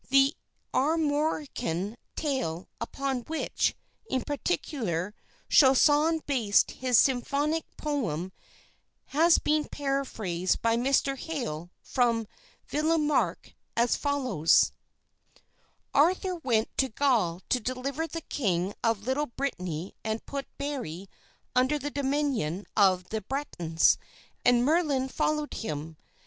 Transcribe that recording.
The Armorican tale upon which, in particular, Chausson based his symphonic poem has been paraphrased by Mr. Hale from Villermarqué as follows: "Arthur went to Gaul to deliver the king of Little Brittany and put Berry under the dominion of the Bretons, and Merlin followed him.